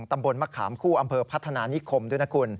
ตำบลมะขามคู่อำเภอพัฒนานิคมด้วยนะคุณ